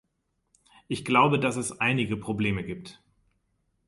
Ich glaube, dass es einige Probleme gibt.